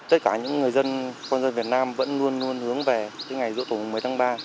tất cả những người dân con dân việt nam vẫn luôn hướng về ngày rượu thùng một mươi tháng ba